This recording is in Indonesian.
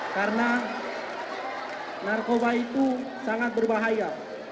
karena narkoba itu sangat berbahaya